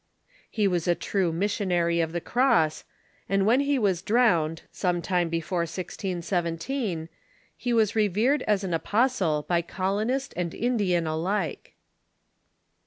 He was a true mis sionary of the cross, and when he was drowned, some time before 1617, he was revered as an apostle by colonist and Ind ian alike.